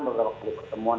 durut waktu pertemuan